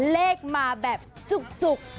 เลขมาแบบจุก